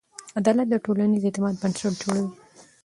عدالت د ټولنیز اعتماد بنسټ جوړوي.